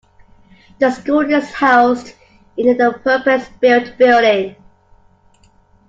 The School is housed in a purpose-built building.